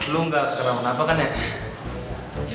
lo gak kena kenapa kenapa kan ya